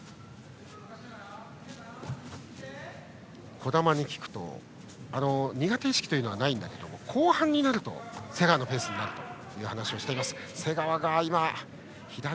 児玉に聞くと苦手意識はないんだけれども後半になると瀬川のペースになるという話をしています。